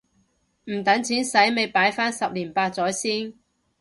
唔等錢洗咪擺返十年八載先